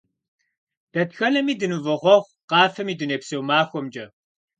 Дэтхэнэми дынывохъуэхъу Къафэм и дунейпсо махуэмкӀэ!